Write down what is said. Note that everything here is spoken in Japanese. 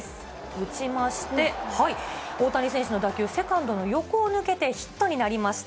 打ちまして、大谷選手の打球、セカンドの横を抜けて、ヒットになりました。